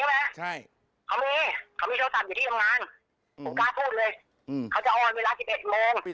หลังจากที่ผมทะเลาะกับมันพี่